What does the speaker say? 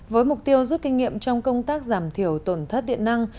với mục tiêu rút kinh nghiệm trong công tác giảm thiểu tổn thất điện năng